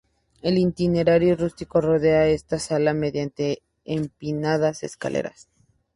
El itinerario turístico rodea esta sala mediante empinadas escaleras.